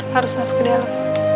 harus masuk ke dalam